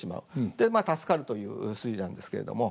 でまあ助かるという筋なんですけれども。